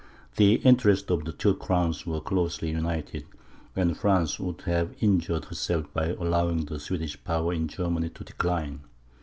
The interests of the two crowns were closely united, and France would have injured herself by allowing the Swedish power in Germany to decline.